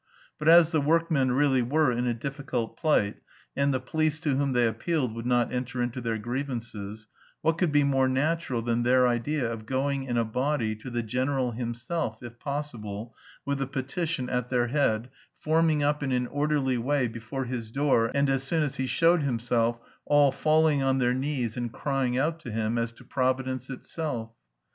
But as the workmen really were in a difficult plight and the police to whom they appealed would not enter into their grievances, what could be more natural than their idea of going in a body to "the general himself" if possible, with the petition at their head, forming up in an orderly way before his door, and as soon as he showed himself, all falling on their knees and crying out to him as to providence itself?